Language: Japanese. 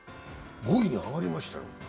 ５位に上がりましたよ。